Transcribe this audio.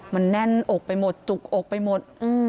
มันแน่นอกไปหมดจุกอกไปหมด